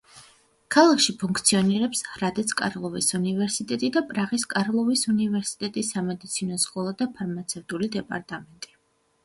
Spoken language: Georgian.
ქალაქში ფუნქციონირებს ჰრადეც-კრალოვეს უნივერსიტეტი და პრაღის კარლოვის უნივერსიტეტის სამედიცინო სკოლა და ფარმაცევტული დეპარტამენტი.